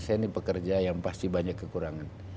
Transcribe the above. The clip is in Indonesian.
saya ini pekerja yang pasti banyak kekurangan